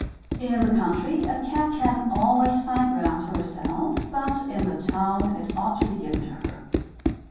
In the country, a cat can always find grass for herself, but in the town it ought to be given to her.